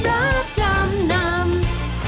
รับจำนำ